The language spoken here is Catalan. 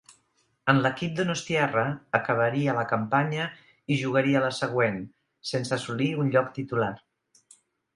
En l'equip donostiarra acabaria la campanya i jugaria la següent, sense assolir un lloc titular.